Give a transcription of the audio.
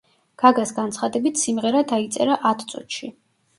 გაგას განცხადებით, სიმღერა დაიწერა ათ წუთში.